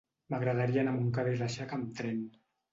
M'agradaria anar a Montcada i Reixac amb tren.